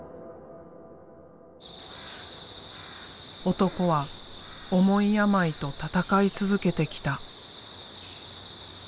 男は重い病と闘い続けてきた。